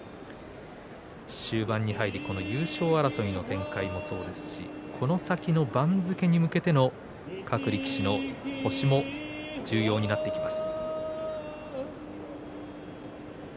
終盤に入り、この優勝争いの展開もそうですしこの先の番付に向けての各力士の星も重要になってきます。